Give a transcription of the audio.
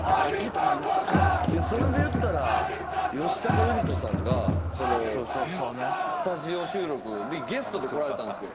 それで言ったら吉高由里子さんがスタジオ収録でゲストで来られたんですよ。